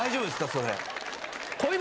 それ。